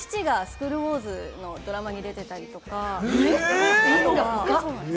父が『スクール☆ウォーズ』のドラマに出てたりとか。